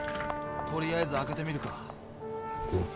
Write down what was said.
とりあえず開けてみるか。